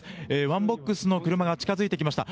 ワンボックスの車が近づいてきました。